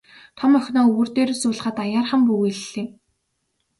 Том охиноо өвөр дээрээ суулгаад аяархан бүүвэйллээ.